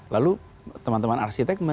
lalu teman teman arsitek